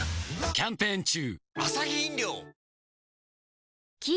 キャンペーン中